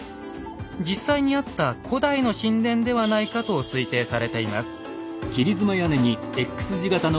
実際にあった古代の神殿ではないかと推定されています。